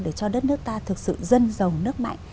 để cho đất nước ta thực sự dân giàu nước mạnh